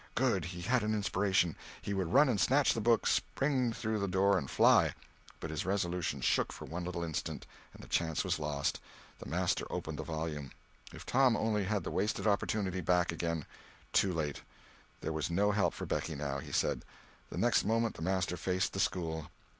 Good!—he had an inspiration! He would run and snatch the book, spring through the door and fly. But his resolution shook for one little instant, and the chance was lost—the master opened the volume. If Tom only had the wasted opportunity back again! Too late. There was no help for Becky now, he said. The next moment the master faced the school.